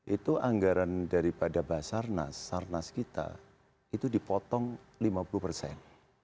itu anggaran daripada basarnas sarnas kita itu dipotong lima puluh persen